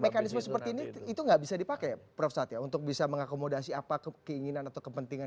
mekanisme seperti ini itu nggak bisa dipakai prof satya untuk bisa mengakomodasi apa keinginan atau kepentingan